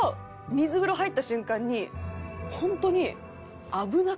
水風呂入った瞬間に本当に危なくて。